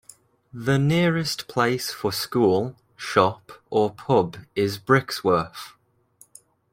The nearest place for school, shop or pub is Brixworth.